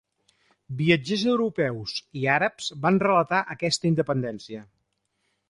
Viatgers europeus i àrabs van relatar aquesta independència.